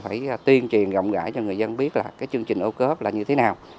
phải tuyên truyền rộng rãi cho người dân biết là cái chương trình ô cớp là như thế nào